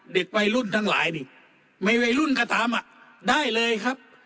เด็กวัยรุ่นทั้งหลายนี่ไม่วัยรุ่นก็ตามอ่ะได้เลยครับ